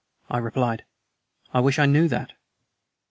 I replied, "I wish I knew that."